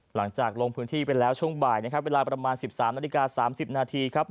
หลังจากลงพื้นที่ไปแล้วช่วงบ่ายนะครับเวลาประมาณ๑๓นาฬิกา๓๐นาทีครับ